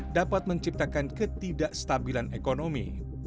dapat menciptakan ketidakstabilan ekonomi